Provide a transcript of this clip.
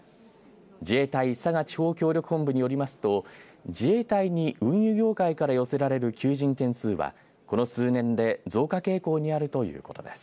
自衛隊佐賀地方協力本部によりますと、自衛隊に運輸業界から寄せられる求人件数はこの数年で増加傾向にあるということです。